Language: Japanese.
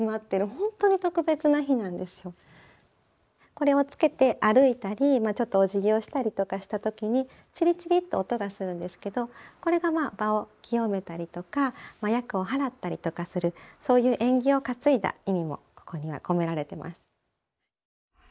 これをつけて歩いたりちょっとおじぎをしたりとかした時にチリチリと音がするんですけどこれがまあ場を清めたりとか厄を払ったりとかするそういう縁起を担いだ意味もここには込められてます。